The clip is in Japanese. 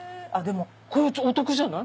これお得じゃない？